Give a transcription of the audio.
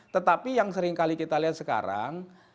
tetapi yang seringkali kita lihat sekarang